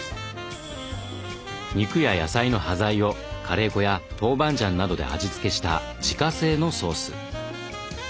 肉や野菜の端材をカレー粉や豆板醤などで味付けした自家製のソース。